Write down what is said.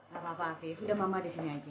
gak apa apa alvif udah mama di sini aja